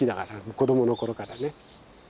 子供の頃からね。